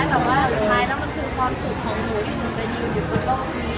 แต่ว่าสุดท้ายแล้วมันคือความสุขของหนูที่หนูจะยืนอยู่บนโลกนี้